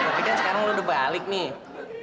tapi kan sekarang udah balik nih